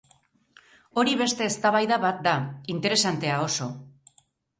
Hori beste eztabaida bat da, interesantea oso.